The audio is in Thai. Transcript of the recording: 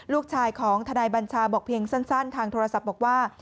ลูกชายของทนายบัญชาบอกเพียงสั้นทางโทรศัพท์บอกว่า